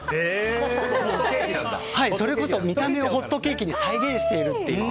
それこそ見た目をホットケーキに再現しているという。